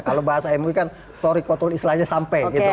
kalau bahasa mui kan tori kotul islanya sampai gitu